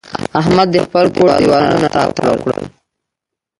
احمد د خپل کور دېوالونه را تاوو کړل.